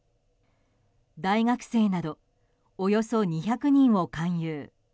大学生などおよそ２００人を勧誘。